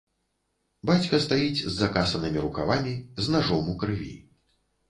Бацька стаіць з закасанымі рукавамі, з нажом у крыві.